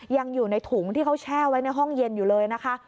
ยังอยู่ในถุงที่เขาแช่ไว้ในห้องเย็นอยู่เลยนะคะ